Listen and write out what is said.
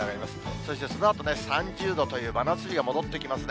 そしてそのあと３０どという真夏日が戻ってきますね。